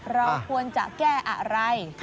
เราควรจะแก้อะไร